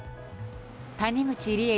谷口梨恵